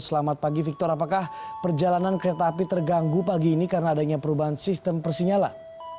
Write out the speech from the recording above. selamat pagi victor apakah perjalanan kereta api terganggu pagi ini karena adanya perubahan sistem persinyalan